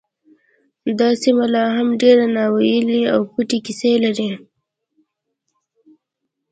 دا سیمه لا هم ډیرې ناوییلې او پټې کیسې لري